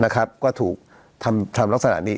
ก็ถูกทำลักษณะนี้